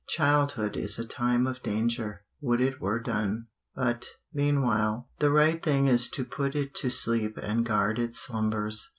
Childhood is a time of danger; "Would it were done." But, meanwhile, the right thing is to put it to sleep and guard its slumbers.